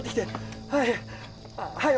はい。